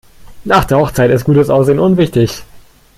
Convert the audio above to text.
Nach der Hochzeit ist gutes Aussehen unwichtig.